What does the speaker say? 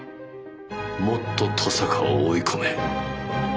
もっと登坂を追い込め。